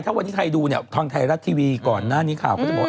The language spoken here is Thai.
ถ้าวันนี้ไทยดูทางไทยรัฐทีวีก่อนหน้านี้ข่าว